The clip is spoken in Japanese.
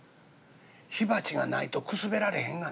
「火鉢がないとくすられへんがな」。